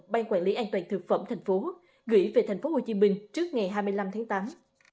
bang quản lý an toàn thực phẩm thành phố gửi về thành phố hồ chí minh trước ngày hai mươi năm tháng tám